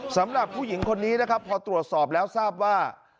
สำหรับผู้หญิงคนนี้นะครับพอตรวจสอบแล้วทราบว่า